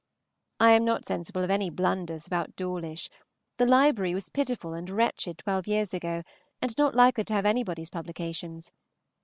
I am not sensible of any blunders about Dawlish; the library was pitiful and wretched twelve years ago, and not likely to have anybody's publications.